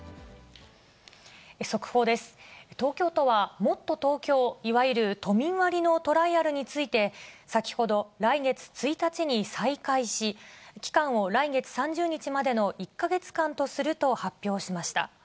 東京都は、もっとＴｏｋｙｏ、いわゆる都民割のトライアルについて、先ほど、来月１日に再開し、期間を来月３０日までの１か月間とすると発表しました。